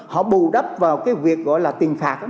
họ bù đắp vào cái việc gọi là tiền phạt